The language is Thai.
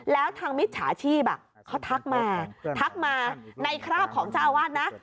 แล้วทางมิจฉาชีพเขาทักมาทักมาในคราบของเจ้าอาวาสนะ